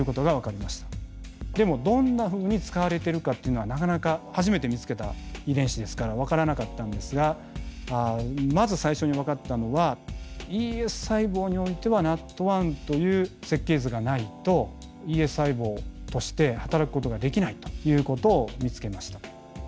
でもどんなふうに使われているかっていうのはなかなか初めて見つけた遺伝子ですから分からなかったんですがまず最初に分かったのはＥＳ細胞においてはＮＡＴ１という設計図がないとＥＳ細胞として働くことができないということを見つけました。